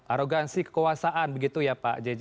arogansi kekuasaan begitu ya pak jj